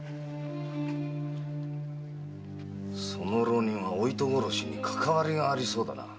その浪人はお糸殺しにかかわりがありそうだな。